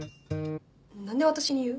何で私に言う？